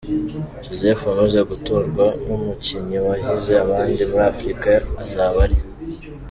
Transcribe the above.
Joseph wamaze gutorwa nk’umukinnyi wahize abandi muri Afurika, azaba ari